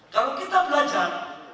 kalau kita belajar